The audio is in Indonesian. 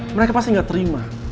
mereka pasti gak terima